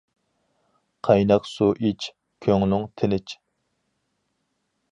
قايناق سۇ ئىچ، كۆڭلۈڭ تىنچ.